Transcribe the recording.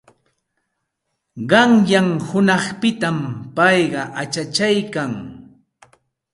Qayna hunanpitam payqa achachaykan.